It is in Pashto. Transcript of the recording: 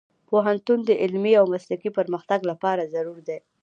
پوهنتون د علمي او مسلکي پرمختګ لپاره ضروري دی.